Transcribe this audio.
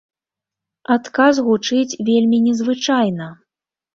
Адказ гучыць вельмі незвычайна.